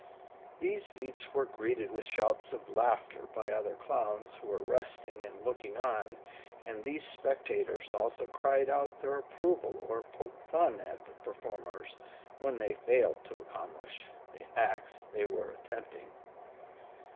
These feats were greeted with shouts of laughter by other Clowns who were resting and looking on, and these spectators also cried out their approval or poked fun at the performers when they failed to accomplish the acts they were attempting.